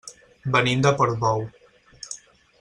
Venim de Portbou.